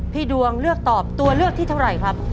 ดวงเลือกตอบตัวเลือกที่เท่าไหร่ครับ